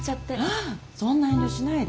ああそんな遠慮しないで。